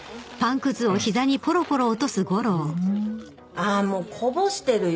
あもうこぼしてるよ。